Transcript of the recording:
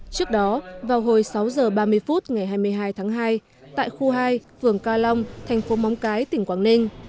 trước đó vào hồi sáu h ba mươi phút ngày hai mươi hai tháng hai tại khu hai phường ca long thành phố móng cái tỉnh quảng ninh